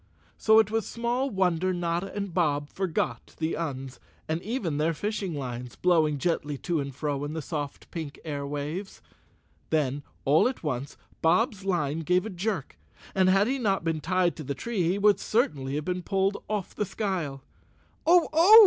So it was small wonder Notta and Bob forgot the Uns, and even their fishing lines, blowing gently to and fro in the soft pink air waves. Then, all at once, Bob's line gave a jerk and had he not been tied to the tree he would certainly have been pulled off the skyle. "Oh! Oh!"